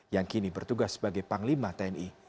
yang kini bertugas sebagai panglima tni